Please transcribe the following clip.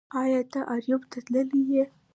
ایا ته اریوب ته تللی یې